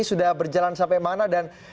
sudah berjalan sampai mana dan